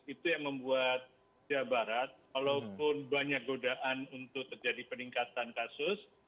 itu yang membuat jawa barat walaupun banyak godaan untuk terjadi peningkatan kasus